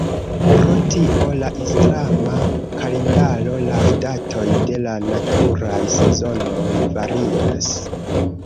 Pro tio la islama kalendaro la datoj de la naturaj sezonoj varias.